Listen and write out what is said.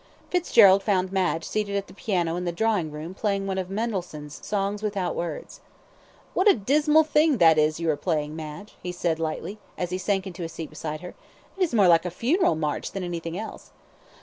Fitzgerald found Madge seated at the piano in the drawing room playing one of Mendelssohn's Songs without Words. "What a dismal thing that is you are playing, Madge," he said lightly, as he sank into a seat beside her. "It is more like a funeral march than anything else."